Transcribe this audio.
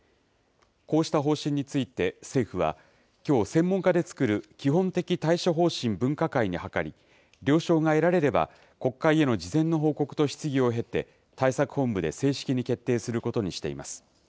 こうした方針について政府はきょう、専門家で作る基本的対処方針分科会に諮り、了承が得られれば、国会への事前の報告と質疑を経て、対策本部で正式に決定することにしています。